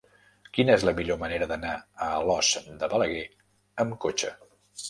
Quina és la millor manera d'anar a Alòs de Balaguer amb cotxe?